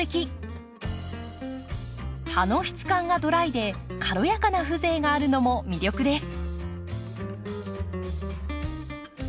葉の質感がドライで軽やかな風情があるのも魅力です。